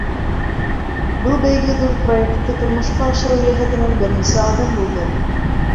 Был бәйге ҙур проектты тормошҡа ашырыу йәһәтенән беренсе аҙым булды.